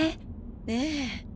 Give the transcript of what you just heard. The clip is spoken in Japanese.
ええ。